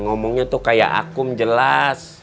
ngomongnya tuh kayak akum jelas